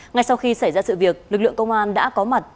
ngay sau khi xảy ra sự việc lực lượng công an đã có mặt